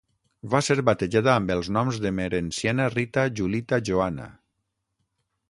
Va ser batejada amb els noms d'Emerenciana Rita Julita Joana.